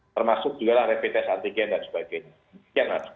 termasuk juga rapid test antigen dan sebagainya